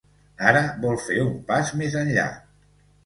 Ara, vol fer un pas més enllà.